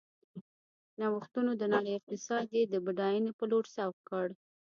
نوښتونو د نړۍ اقتصاد یې د بډاینې په لور سوق کړ.